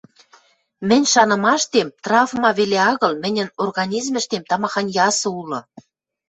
Мӹнь шанымаштем, травма веле агыл, мӹньӹн организмӹштем тамахань ясы улы.